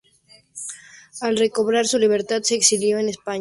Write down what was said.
Al recobrar su libertad se exilió en España, donde tuvo contacto fluido con Perón.